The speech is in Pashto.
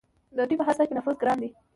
د دوی په هسته کې نفوذ ګران دی.